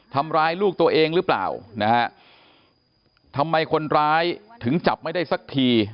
ทำร้ายลูกตัวเองหรือเปล่านะฮะทำไมคนร้ายถึงจับไม่ได้สักที